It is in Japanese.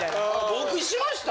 僕しました？